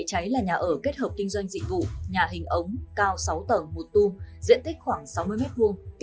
cháy một nhà ở kết hợp kinh doanh khiến ba người tử vong